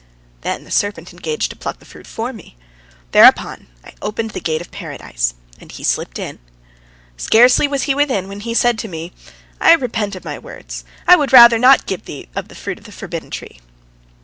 Then the serpent engaged to pluck the fruit for me. Thereupon I opened the gate of Paradise, and he slipped in. Scarcely was he within, when he said to me, "I repent of my words, I would rather not give thee of the fruit of the forbidden tree."